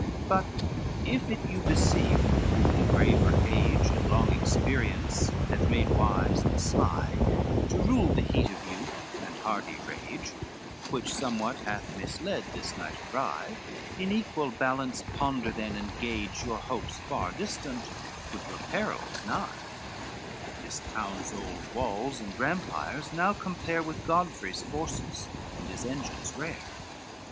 XLI "But if it you beseem, whom graver age And long experience hath made wise and sly, To rule the heat of youth and hardy rage, Which somewhat have misled this knight awry, In equal balance ponder then and gauge Your hopes far distant, with your perils nigh; This town's old walls and rampires new compare With Godfrey's forces and his engines rare.